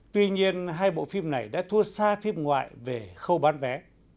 tuy nhiên hai bộ phim này đã thua xa phim ngoại về khâu bán vé